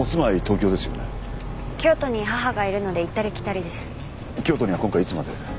京都には今回いつまで？